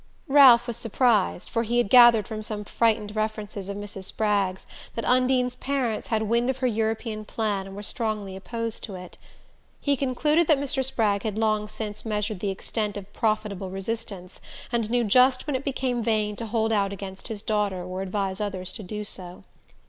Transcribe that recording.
Ralph was surprised, for he had gathered from some frightened references of Mrs. Spragg's that Undine's parents had wind of her European plan and were strongly opposed to it. He concluded that Mr. Spragg had long since measured the extent of profitable resistance, and knew just when it became vain to hold out against his daughter or advise others to do so.